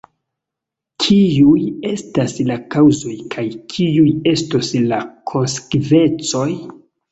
Kiuj estas la kaŭzoj kaj kiuj estos la konsekvencoj?